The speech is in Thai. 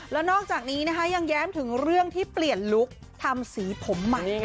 แล้วนอกจากนี้นะคะยังแย้มถึงเรื่องที่เปลี่ยนลุคทำสีผมใหม่